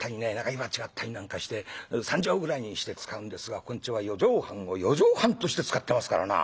火鉢があったりなんかして三畳ぐらいにして使うんですがここんちは四畳半を四畳半として使ってますからな。